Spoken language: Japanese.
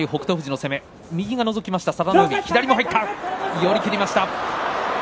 寄り切りました。